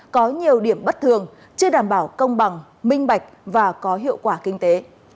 có nhiều điểm bất thường chưa đảm bảo công bằng minh bạch và có hiệu quả kinh tế